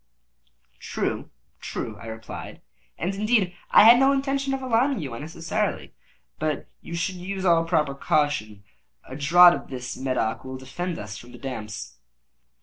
"True—true," I replied; "and, indeed, I had no intention of alarming you unnecessarily—but you should use all proper caution. A draught of this Medoc will defend us from the damps."